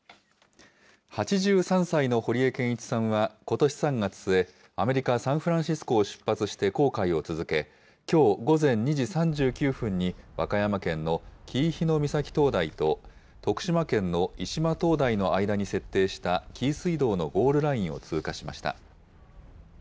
８３歳の堀江謙一さんは、ことし３月末、アメリカ・サンフランシスコを出発して航海を続け、きょう午前２時３９分に、和歌山県の紀伊日ノ御埼灯台と徳島県の伊島灯台の間に設定した紀伊水道のゴールラインを通過しました。